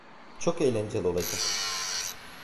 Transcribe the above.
Çok eğlenceli olacak.